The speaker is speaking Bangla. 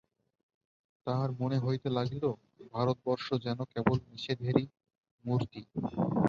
তাহার মনে হইতে লাগিল, ভারতবর্ষ যেন কেবল নিষেধেরই মূর্তি।